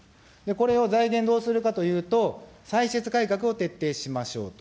これを財源どうするかというと、歳出改革を徹底しましょうと。